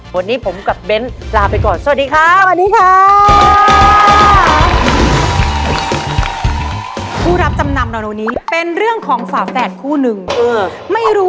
วันนี้ผมกับเบนท์ลาไปก่อนสวัสดีค่ะ